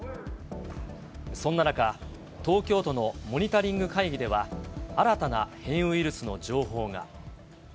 そんな中、東京都のモニタリング会議では、新たな変異ウイルスの情報が。